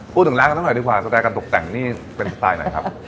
พูดถึงร้านกันสักหน่อยดีกว่าสไตลการตกแต่งนี่เป็นสไตล์ไหนครับ